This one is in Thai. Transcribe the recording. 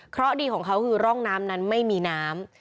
เพราะดีของเขาคือร่องน้ำนั้นไม่มีน้ำ